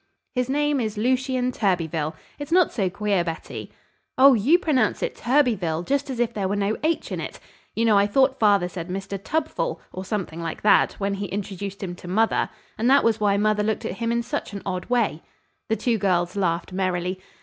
"His name is Lucien Thurbyfil. It's not so queer, Betty." "Oh, you pronounce it T'urbyfil, just as if there were no 'h' in it. You know I thought father said Mr. Tubfull or something like that, when he introduced him to mother, and that was why mother looked at him in such an odd way." The two girls laughed merrily.